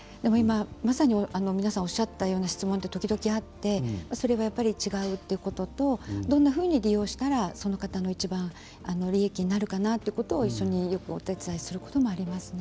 皆さんおっしゃったような質問時々あって、それはやっぱり違うということとどんなふうに利用したらその方にいちばん利益になるかなということをお手伝いすることもあります。